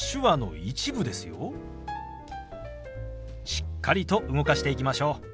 しっかりと動かしていきましょう。